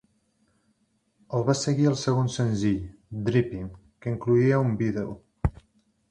El va seguir el segon senzill, "Dripping", que incloïa un vídeo.